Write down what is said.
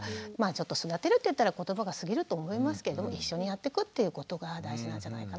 育てるって言ったら言葉が過ぎると思いますけど一緒にやってくっていうことが大事なんじゃないかなと思います。